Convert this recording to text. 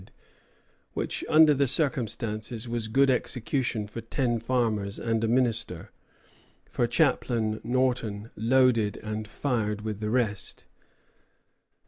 ] which, under the circumstances, was good execution for ten farmers and a minister; for Chaplain Norton loaded and fired with the rest.